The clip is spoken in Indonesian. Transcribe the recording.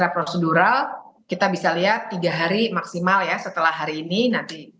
prosedural kita bisa lihat tiga hari maksimal ya setelah hari ini nanti